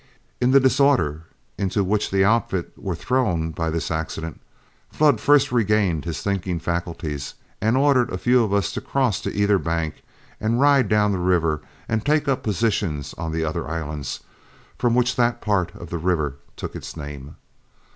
In the disorder into which the outfits were thrown by this accident, Flood first regained his thinking faculties, and ordered a few of us to cross to either bank, and ride down the river and take up positions on the other islands, from which that part of the river took its name.